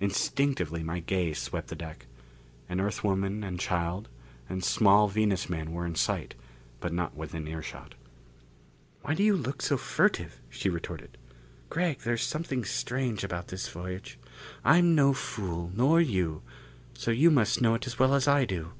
Instinctively my gaze swept the deck. An Earth woman and child and a small Venus man were in sight, but not within earshot. "Why do you look so furtive?" she retorted. "Gregg, there's something strange about this voyage. I'm no fool, nor you, so you must know it as well as I do."